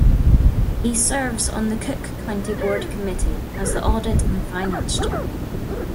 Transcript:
He serves on the Cook County Board Committee as the Audit and Finance Chairman.